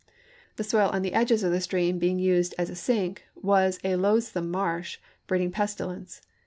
The soil on the edges of the stream being used as a sink was a loathsome marsh, breeding pestilence.